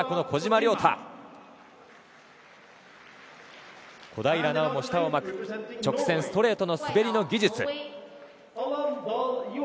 小平奈緒も舌を巻く直線ストレートの滑りの技術。